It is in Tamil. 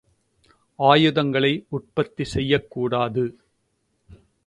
ஆயுதங்களை உற்பத்தி செய்யக்கூடாது!